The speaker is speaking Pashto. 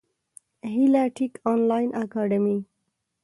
هیله ټېک انلاین اکاډمي